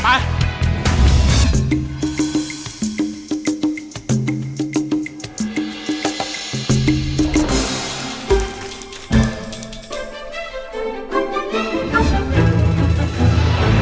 พลากุ้งไป